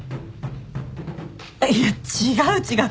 いや違う違う。